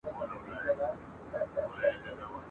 په عمر کشر، په عقل مشر ..